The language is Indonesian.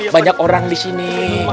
banyak orang di sini